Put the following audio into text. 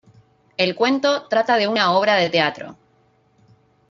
El cuento trata de una obra de teatro.